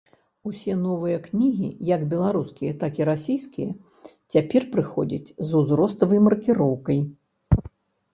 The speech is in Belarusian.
Усе новыя кнігі, як беларускія, так і расійскія, цяпер прыходзяць з узроставай маркіроўкай.